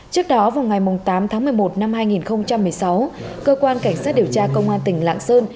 trước đó vào ngày tám tháng một mươi một năm hai nghìn một mươi sáu cơ quan cảnh sát điều tra công an tỉnh lạng sơn